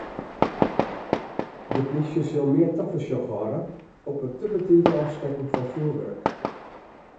De polysje sil mear tafersjoch hâlde op it te betiid ôfstekken fan fjoerwurk.